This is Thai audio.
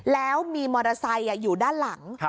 แล้วมีมอเตอร์ไซค์อยู่ด้านหลัง